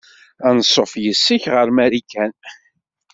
Anṣuf yes-k ɣer Marikan.